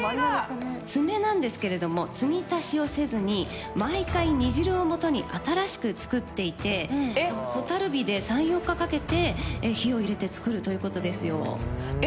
ツメなんですけれども継ぎ足しをせずに毎回煮汁をもとに新しく作っていて蛍火で３４日かけて火を入れて作るということですよ。え？